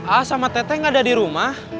ah sama teteng ada di rumah